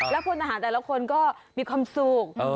แล้วพลทหารแต่ละคนก็มีความสุข